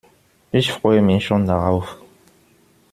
Ich freue mich schon darauf.